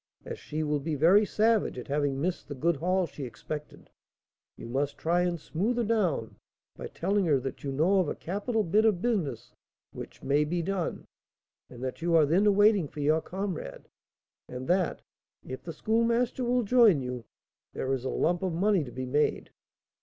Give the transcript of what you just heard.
As she will be very savage at having missed the good haul she expected, you must try and smooth her down by telling her that you know of a capital bit of business which may be done, and that you are then waiting for your comrade, and that, if the Schoolmaster will join you, there is a lump of money to be made."